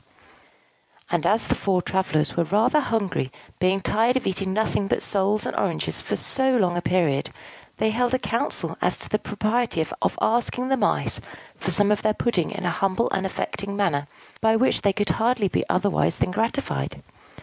And as the four travellers were rather hungry, being tired of eating nothing but soles and oranges for so long a period, they held a council as to the propriety of asking the Mice for some of their pudding in a humble and affecting manner, by which they could hardly be otherwise than gratified.